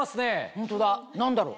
ホントだ何だろう？